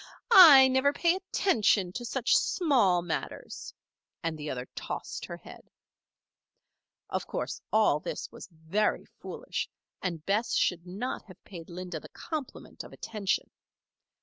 I never pay attention to such small matters," and the other tossed her head. Of course, all this was very foolish, and Bess should not have paid Linda the compliment of attention.